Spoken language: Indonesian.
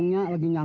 gak bakal jadi satu